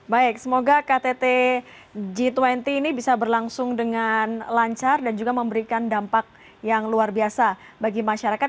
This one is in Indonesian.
baik semoga ktt g dua puluh ini bisa berlangsung dengan lancar dan juga memberikan dampak yang luar biasa bagi masyarakat